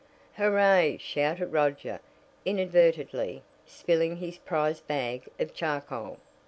"Hurrah!" shouted Roger, inadvertently spilling his prized bag of charcoal.